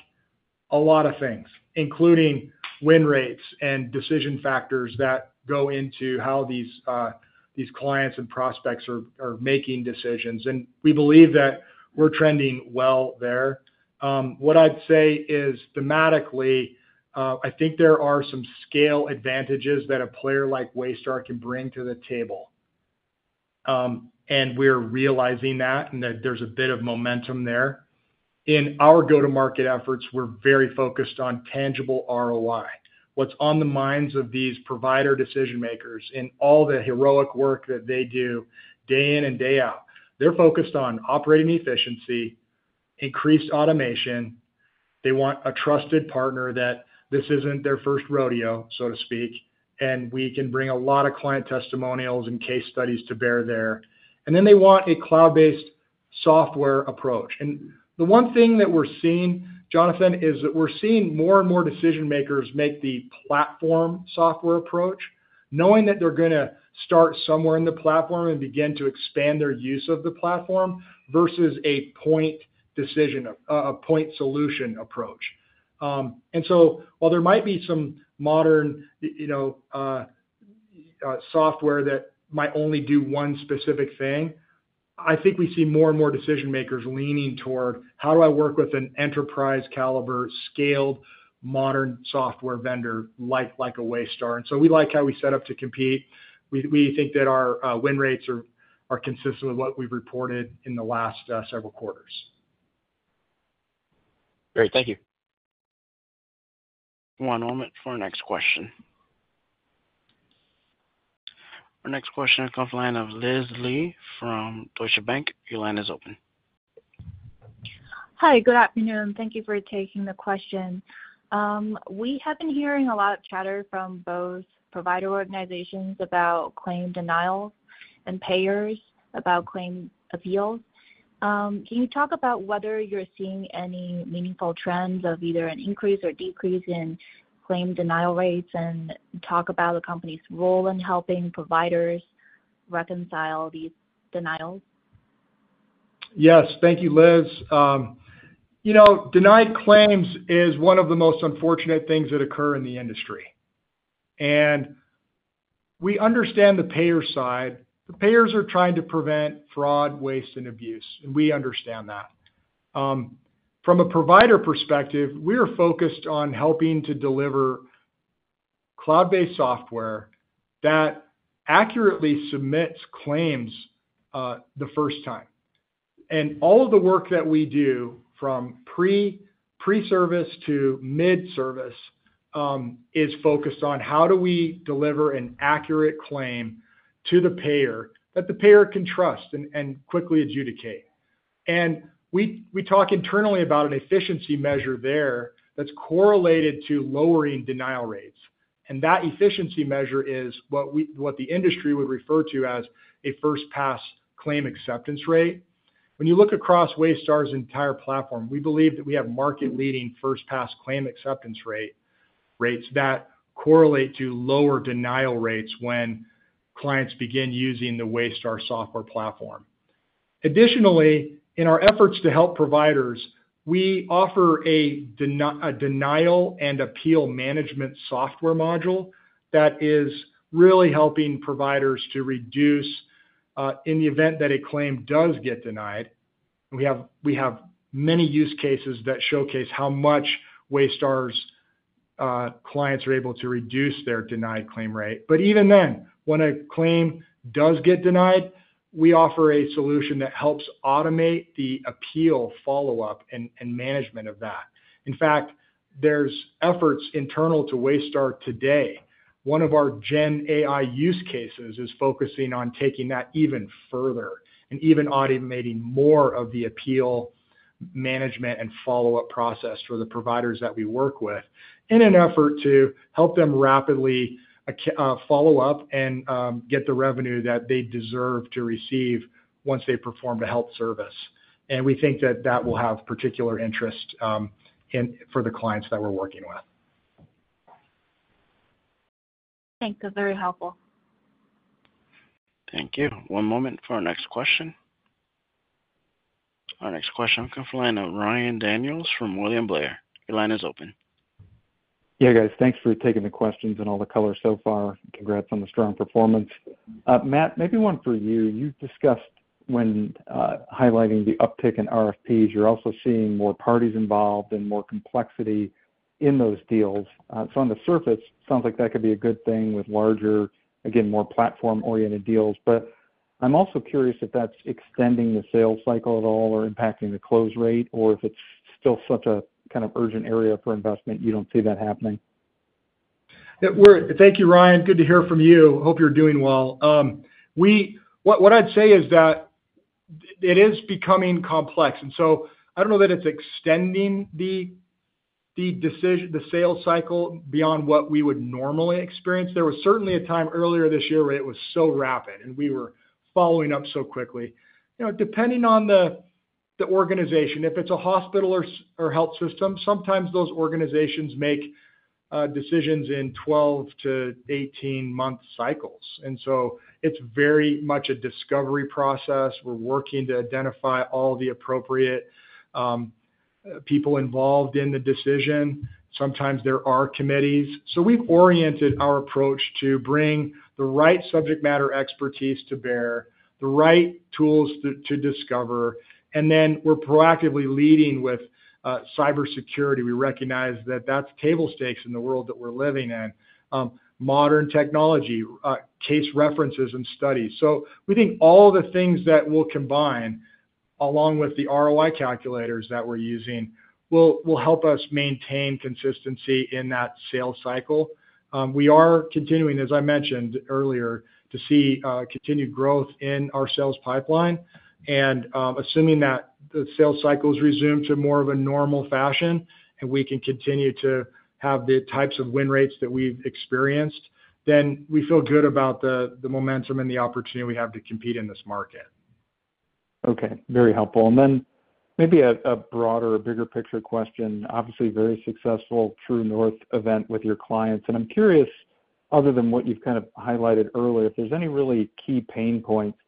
a lot of things, including win rates and decision factors that go into how these clients and prospects are making decisions. And we believe that we're trending well there. What I'd say is, thematically, I think there are some scale advantages that a player like Waystar can bring to the table. We're realizing that and that there's a bit of momentum there. In our go-to-market efforts, we're very focused on tangible ROI. What's on the minds of these provider decision-makers in all the heroic work that they do day in and day out? They're focused on operating efficiency, increased automation. They want a trusted partner that this isn't their first rodeo, so to speak. We can bring a lot of client testimonials and case studies to bear there. Then they want a cloud-based software approach. The one thing that we're seeing, Jonathan, is that we're seeing more and more decision-makers make the platform software approach, knowing that they're going to start somewhere in the platform and begin to expand their use of the platform versus a point solution approach. And so while there might be some modern software that might only do one specific thing, I think we see more and more decision-makers leaning toward, "How do I work with an enterprise-caliber, scaled, modern software vendor like a Waystar?" And so we like how we set up to compete. We think that our win rates are consistent with what we've reported in the last several quarters. Great. Thank you. One moment for our next question. Our next question will come from the line of Liz Lee from Deutsche Bank. Your line is open. Hi. Good afternoon. Thank you for taking the question. We have been hearing a lot of chatter from both provider organizations about claim denials and payers about claim appeals. Can you talk about whether you're seeing any meaningful trends of either an increase or decrease in claim denial rates and talk about the company's role in helping providers reconcile these denials? Yes. Thank you, Liz. Denied claims is one of the most unfortunate things that occur in the industry. And we understand the payer side. The payers are trying to prevent fraud, waste, and abuse. And we understand that. From a provider perspective, we are focused on helping to deliver cloud-based software that accurately submits claims the first time. And all of the work that we do, from pre-service to mid-service, is focused on how do we deliver an accurate claim to the payer that the payer can trust and quickly adjudicate. And we talk internally about an efficiency measure there that's correlated to lowering denial rates. And that efficiency measure is what the industry would refer to as a first-pass claim acceptance rate. When you look across Waystar's entire platform, we believe that we have market-leading first-pass claim acceptance rates that correlate to lower denial rates when clients begin using the Waystar software platform. Additionally, in our efforts to help providers, we offer a denial and appeal management software module that is really helping providers to reduce in the event that a claim does get denied. And we have many use cases that showcase how much Waystar's clients are able to reduce their denied claim rate. But even then, when a claim does get denied, we offer a solution that helps automate the appeal follow-up and management of that. In fact, there's efforts internal to Waystar today. One of our GenAI use cases is focusing on taking that even further and even automating more of the appeal management and follow-up process for the providers that we work with in an effort to help them rapidly follow up and get the revenue that they deserve to receive once they perform to help service, and we think that that will have particular interest for the clients that we're working with. Thanks. That's very helpful. Thank you. One moment for our next question. Our next question will come from the line of Ryan Daniels from William Blair. Your line is open. Yeah, guys. Thanks for taking the questions in all the color so far. Congrats on the strong performance. Matt, maybe one for you. You've discussed when highlighting the uptick in RFPs, you're also seeing more parties involved and more complexity in those deals. So on the surface, it sounds like that could be a good thing with larger, again, more platform-oriented deals. But I'm also curious if that's extending the sales cycle at all or impacting the close rate or if it's still such a kind of urgent area for investment you don't see that happening? Thank you, Ryan. Good to hear from you. Hope you're doing well. What I'd say is that it is becoming complex. And so I don't know that it's extending the sales cycle beyond what we would normally experience. There was certainly a time earlier this year where it was so rapid, and we were following up so quickly. Depending on the organization, if it's a hospital or health system, sometimes those organizations make decisions in 12-18-month cycles. And so it's very much a discovery process. We're working to identify all the appropriate people involved in the decision. Sometimes there are committees. So we've oriented our approach to bring the right subject matter expertise to bear, the right tools to discover. And then we're proactively leading with cybersecurity. We recognize that that's table stakes in the world that we're living in: modern technology, case references, and studies. So we think all the things that we'll combine along with the ROI calculators that we're using will help us maintain consistency in that sales cycle. We are continuing, as I mentioned earlier, to see continued growth in our sales pipeline. And assuming that the sales cycles resume to more of a normal fashion and we can continue to have the types of win rates that we've experienced, then we feel good about the momentum and the opportunity we have to compete in this market. Okay. Very helpful. And then maybe a broader, bigger picture question. Obviously, very successful True North event with your clients. And I'm curious, other than what you've kind of highlighted earlier, if there's any really key pain points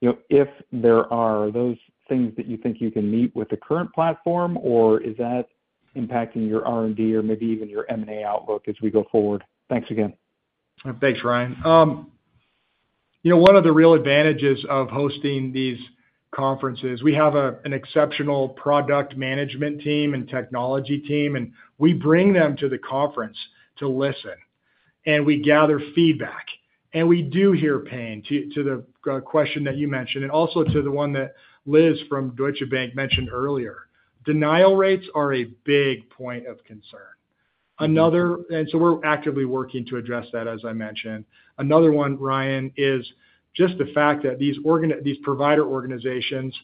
that clients mentioned. And if there are, are those things that you think you can meet with the current platform, or is that impacting your R&D or maybe even your M&A outlook as we go forward? Thanks again. Thanks, Ryan. One of the real advantages of hosting these conferences, we have an exceptional product management team and technology team. And we bring them to the conference to listen. And we gather feedback. And we do hear pain points to the question that you mentioned and also to the one that Liz from Deutsche Bank mentioned earlier. Denial rates are a big point of concern. And so we're actively working to address that, as I mentioned. Another one, Ryan, is just the fact that these provider organizations,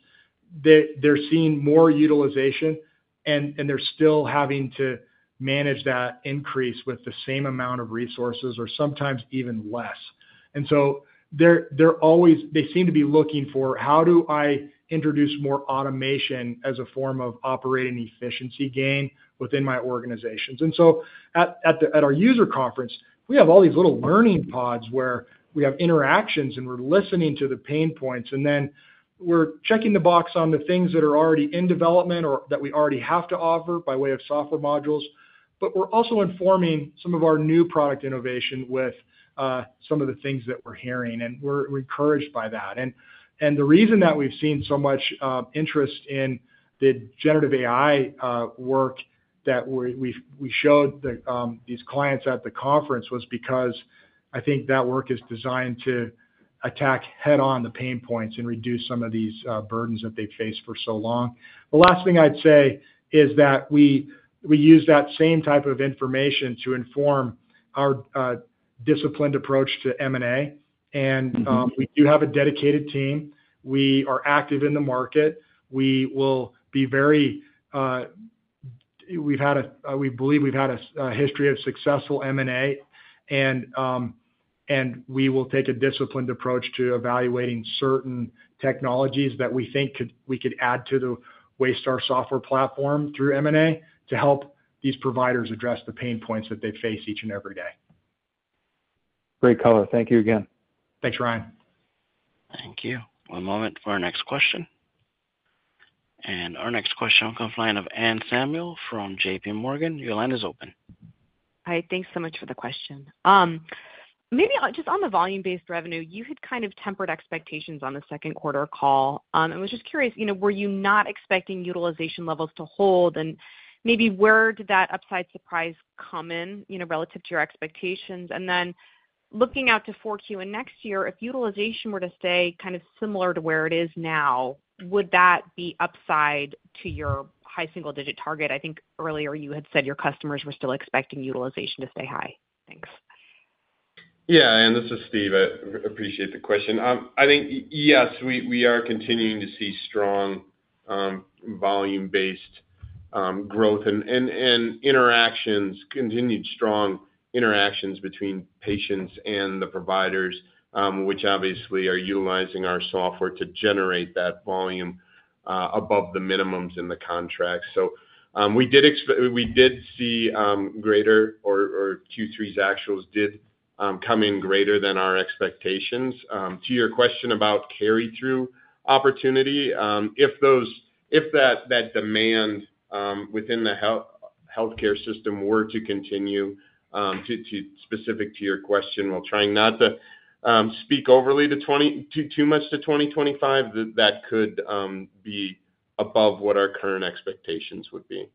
they're seeing more utilization, and they're still having to manage that increase with the same amount of resources or sometimes even less, and so they seem to be looking for, "How do I introduce more automation as a form of operating efficiency gain within my organizations?" And so at our user conference, we have all these little learning pods where we have interactions, and we're listening to the pain points, and then we're checking the box on the things that are already in development or that we already have to offer by way of software modules, but we're also informing some of our new product innovation with some of the things that we're hearing, and we're encouraged by that. And the reason that we've seen so much interest in the generative AI work that we showed these clients at the conference was because I think that work is designed to attack head-on the pain points and reduce some of these burdens that they've faced for so long. The last thing I'd say is that we use that same type of information to inform our disciplined approach to M&A. And we do have a dedicated team. We are active in the market. We will be very. We believe we've had a history of successful M&A. And we will take a disciplined approach to evaluating certain technologies that we think we could add to the Waystar software platform through M&A to help these providers address the pain points that they face each and every day. Great color. Thank you again. Thanks, Ryan. Thank you. One moment for our next question. Our next question will come from the line of Anne Samuel from JPMorgan. Your line is open. Hi. Thanks so much for the question. Maybe just on the volume-based revenue, you had kind of tempered expectations on the second quarter call. I was just curious, were you not expecting utilization levels to hold? And maybe where did that upside surprise come in relative to your expectations? And then looking out to forecast for next year, if utilization were to stay kind of similar to where it is now, would that be upside to your high single-digit target? I think earlier you had said your customers were still expecting utilization to stay high. Thanks. Yeah. This is Steve. I appreciate the question. I think, yes, we are continuing to see strong volume-based growth and continued strong interactions between patients and the providers, which obviously are utilizing our software to generate that volume above the minimums in the contract. So we did see greater, or Q3's actuals did come in greater than our expectations. To your question about carry-through opportunity, if that demand within the healthcare system were to continue, specific to your question, we'll try not to speak overly too much to 2025, that could be above what our current expectations would be.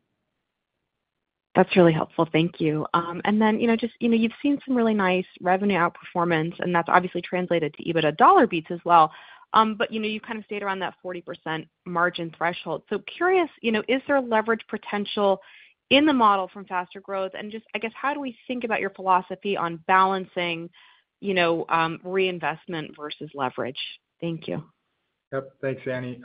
That's really helpful. Thank you. And then you've seen some really nice revenue outperformance, and that's obviously translated to even a dollar beat as well. But you've kind of stayed around that 40% margin threshold. So curious, is there leverage potential in the model from faster growth? Just, I guess, how do we think about your philosophy on balancing reinvestment versus leverage? Thank you. Yep. Thanks, Anne.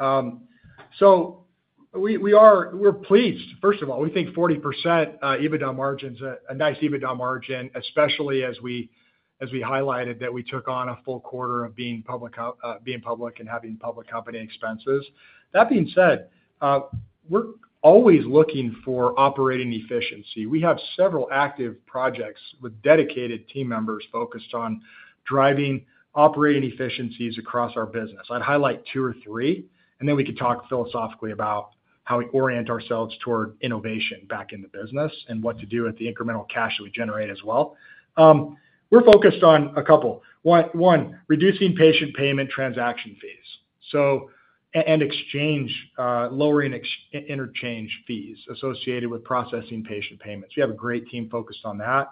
We're pleased. First of all, we think 40% EBITDA margin's a nice EBITDA margin, especially as we highlighted that we took on a full quarter of being public and having public company expenses. That being said, we're always looking for operating efficiency. We have several active projects with dedicated team members focused on driving operating efficiencies across our business. I'd highlight two or three, and then we could talk philosophically about how we orient ourselves toward innovation back in the business and what to do with the incremental cash that we generate as well. We're focused on a couple. One, reducing patient payment transaction fees and lowering interchange fees associated with processing patient payments. We have a great team focused on that.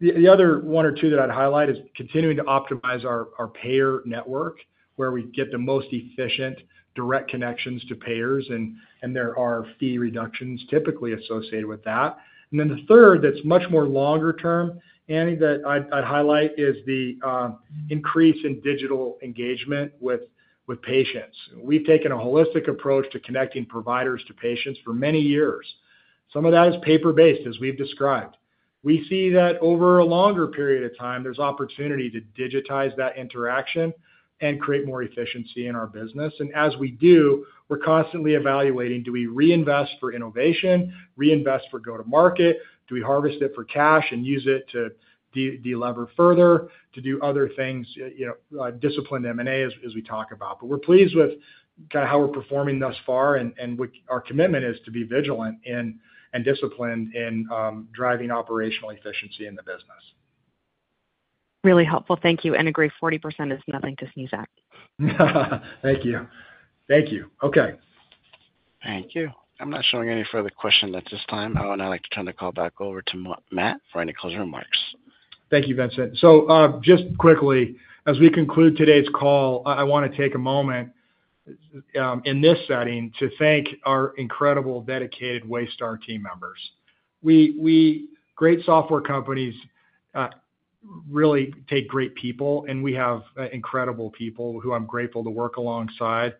The other one or two that I'd highlight is continuing to optimize our payer network where we get the most efficient direct connections to payers, and there are fee reductions typically associated with that. And then the third that's much more longer-term, Annie, that I'd highlight is the increase in digital engagement with patients. We've taken a holistic approach to connecting providers to patients for many years. Some of that is paper-based, as we've described. We see that over a longer period of time, there's opportunity to digitize that interaction and create more efficiency in our business. And as we do, we're constantly evaluating, "Do we reinvest for innovation? Reinvest for go-to-market? Do we harvest it for cash and use it to delever further, to do other things, discipline M&A, as we talk about?" But we're pleased with kind of how we're performing thus far, and our commitment is to be vigilant and disciplined in driving operational efficiency in the business. Really helpful. Thank you. And a great 40% is nothing to sneeze at. Thank you. Thank you. Okay. Thank you. I'm not showing any further questions at this time. I would now like to turn the call back over to Matt for any closing remarks. Thank you, Vincent. So just quickly, as we conclude today's call, I want to take a moment in this setting to thank our incredible dedicated Waystar team members. Great software companies really take great people, and we have incredible people who I'm grateful to work alongside.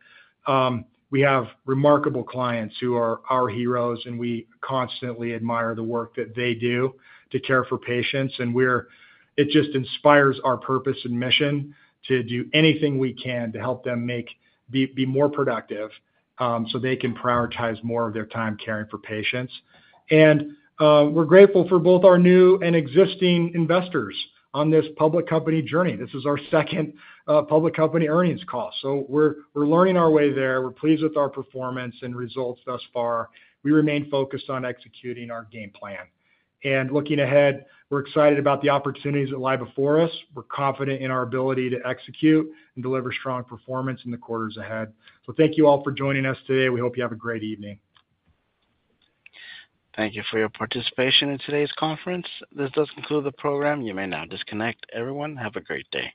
We have remarkable clients who are our heroes, and we constantly admire the work that they do to care for patients. And it just inspires our purpose and mission to do anything we can to help them be more productive so they can prioritize more of their time caring for patients. And we're grateful for both our new and existing investors on this public company journey. This is our second public company earnings call. So we're learning our way there. We're pleased with our performance and results thus far. We remain focused on executing our game plan. And looking ahead, we're excited about the opportunities that lie before us. We're confident in our ability to execute and deliver strong performance in the quarters ahead. So thank you all for joining us today. We hope you have a great evening. Thank you for your participation in today's conference. This does conclude the program. You may now disconnect. Everyone, have a great day.